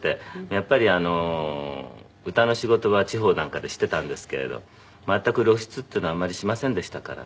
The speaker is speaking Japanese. やっぱり歌の仕事は地方なんかでしてたんですけれど全く露出っていうのはあんまりしませんでしたから。